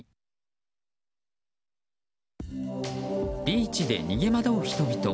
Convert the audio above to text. ビーチで逃げ惑う人々。